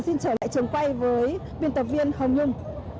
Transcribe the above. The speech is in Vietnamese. xin trở lại trường quay với biên tập viên hồng nhung